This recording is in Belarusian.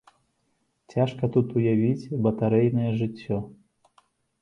Цяжка тут уявіць батарэйнае жыццё.